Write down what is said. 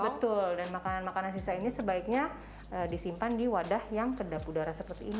betul dan makanan makanan sisa ini sebaiknya disimpan di wadah yang kedap udara seperti ini